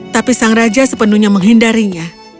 tapi sang raja sepenuhnya menghindarinya